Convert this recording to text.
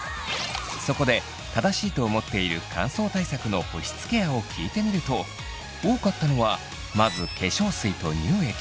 そこで正しいと思っている乾燥対策の保湿ケアを聞いてみると多かったのはまず化粧水と乳液。